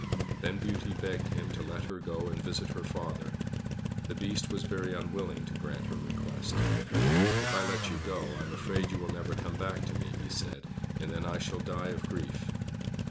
Then Beauty begged him to let her go and visit her father. The Beast was very unwilling to grant her request. "If I let you go, I am afraid you will never come back to me," he said, "and then I shall die of grief."